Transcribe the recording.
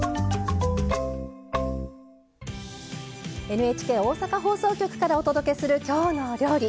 ＮＨＫ大阪放送局からお届けする「きょうの料理」。